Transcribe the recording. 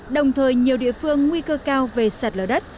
đồng thời nhiều địa phương nguy cơ cao về sạt lở đất